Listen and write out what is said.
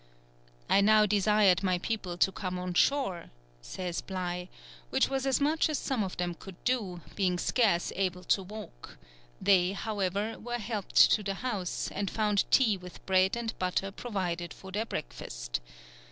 "I now desired my people to come on shore," says Bligh, "which was as much as some of them could do, being scarce able to walk; they, however, were helped to the house, and found tea with bread and butter provided for their breakfast....